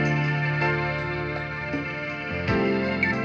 semangat sangat mudah